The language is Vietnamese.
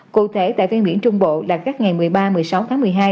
cụ thể tại ven biển trung bộ là các ngày một mươi ba một mươi sáu tháng một mươi hai